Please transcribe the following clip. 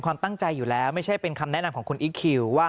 ความตั้งใจอยู่แล้วไม่ใช่เป็นคำแนะนำของคุณอีคคิวว่า